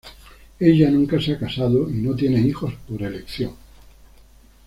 Ella nunca se ha casado y no tiene hijos por elección.